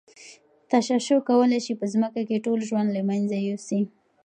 تشعشع کولای شي په ځمکه کې ټول ژوند له منځه یوسي.